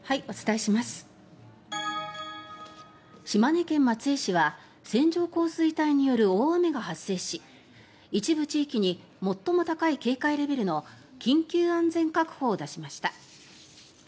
島根県松江市は線状降水帯による大雨が発生し一部地域に最も高い警戒レベルの緊急安全確保を出しました。